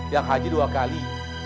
yang haji dua kali